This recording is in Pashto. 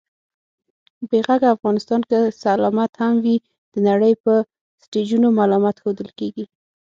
بې غږه افغانستان که سلامت هم وي، د نړۍ په سټېجونو ملامت ښودل کېږي